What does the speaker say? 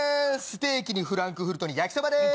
ステーキにフランクフルト焼きそばです。